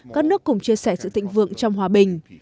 các nước cùng chia sẻ sự tịnh vượng trong hòa bình